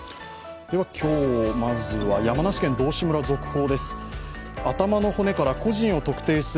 今日まずは、山梨県道志村の続報です。